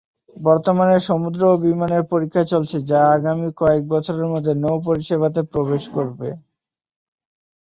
বর্তমানে সমুদ্র ও বিমানের পরিক্ষা চলছে, যা আগামী কয়েক বছরের মধ্যে নৌ পরিষেবাতে প্রবেশের করবে।